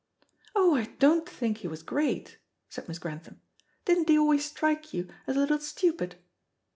"Oh, I don't think he was great," said Miss Grantham. "Didn't he always strike you as a little stupid?"